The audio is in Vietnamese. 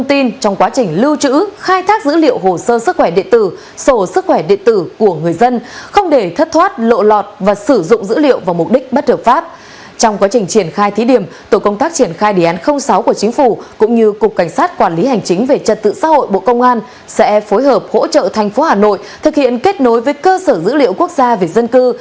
trong quá trình triển khai thí điểm tổ công tác triển khai đề án sáu của chính phủ cũng như cục cảnh sát quản lý hành chính về trật tự xã hội bộ công an sẽ phối hợp hỗ trợ thành phố hà nội thực hiện kết nối với cơ sở dữ liệu quốc gia về dân cư